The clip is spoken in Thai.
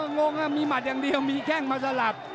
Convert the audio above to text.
งงมีหมัดอย่างเดียวมีแข้งมาสลับ